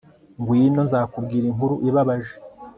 ngwino, nzakubwira inkuru ibabaje